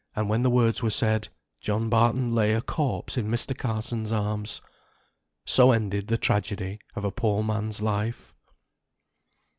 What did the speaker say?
And when the words were said, John Barton lay a corpse in Mr. Carson's arms. So ended the tragedy of a poor man's life.